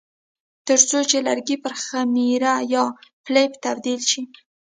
ترڅو چې لرګي پر خمیره یا پلپ تبدیل شي.